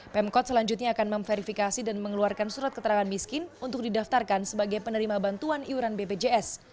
pemkot selanjutnya akan memverifikasi dan mengeluarkan surat keterangan miskin untuk didaftarkan sebagai penerima bantuan iuran bpjs